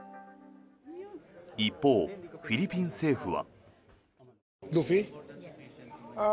一方、フィリピン政府は。